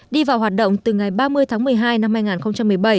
đi vào hoạt động từ ngày ba mươi tháng một mươi hai năm hai nghìn một mươi bảy